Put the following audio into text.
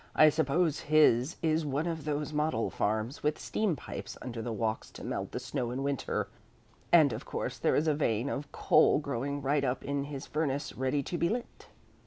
"I suppose his is one of those model farms with steam pipes under the walks to melt the snow in winter, and of course there is a vein of coal growing right up into his furnace ready to be lit."